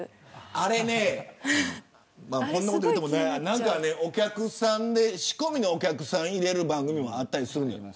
あれね仕込みのお客さん入れる番組もあったりするんです。